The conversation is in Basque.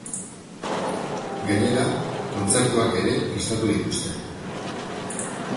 Gainera, kontzertuak ere prestatu dituzte.